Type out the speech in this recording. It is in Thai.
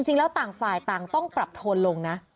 จริงแล้วต่างฝ่ายต่างต้องปรับโทนลงนะ